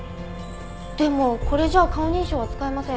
でもこれじゃあ顔認証は使えません。